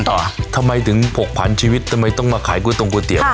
ทำไมถึงผกผันชีวิตทำไมต้องมาขายก๋วตรงก๋วเตี๋ย